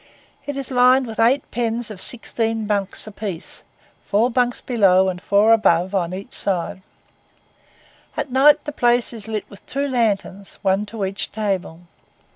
It is lined with eight pens of sixteen bunks apiece, four bunks below and four above on either side. At night the place is lit with two lanterns, one to each table.